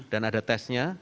dan ada testnya